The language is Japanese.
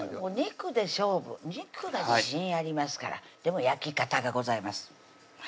肉で勝負肉が自信ありますからでも焼き方がございます